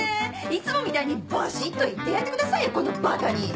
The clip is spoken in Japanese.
いつもみたいにバシっ！と言ってやってくださいよこのばかに！